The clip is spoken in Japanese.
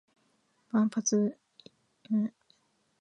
万発捲って負け回避